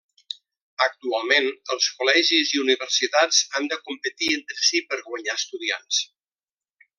Actualment els col·legis i universitats han de competir entre si per guanyar estudiants.